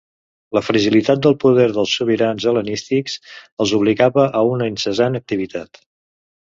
La fragilitat del poder dels sobirans hel·lenístics els obligava a una incessant activitat.